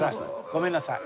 ごめんなさい。